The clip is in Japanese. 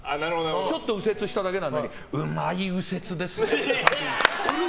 ちょっと右折しただけなのにうまい右折ですねって。